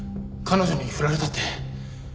彼女に振られたって。